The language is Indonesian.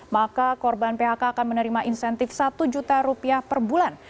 maka korban phk akan menerima insentif satu juta rupiah per bulan